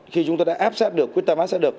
khi chúng tôi đã áp sát được quyết tâm áp sát được